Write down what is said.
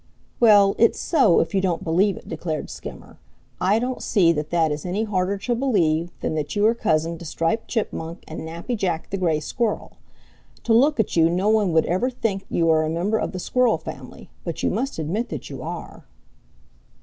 "Well, it's so, if you don't believe it," declared Skimmer. "I don't see that that is any harder to believe than that you are cousin to Striped Chipmunk and Nappy Jack the Gray Squirrel. To look at you no one would ever think you are a member of the Squirrel family, but you must admit that you are."